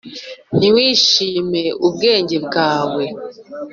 ntiwishime ubwenge bwawe,